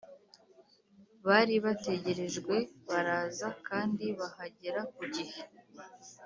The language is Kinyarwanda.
bari bategerejwe, baraza kandi bahagera ku gihe